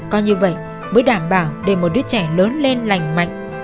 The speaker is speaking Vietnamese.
có như vậy mới đảm bảo để một đứa trẻ lớn lên lành mạnh